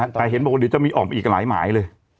แต่เห็นพอเดี๋ยวเจ้ามีออกไปอีกหลายหมายเลย